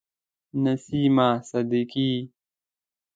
نسیمه صدیقی